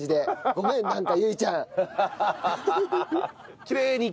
ごめんなんかゆいちゃん。